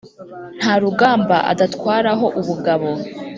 Nta rugamba adatwaraho ubugabo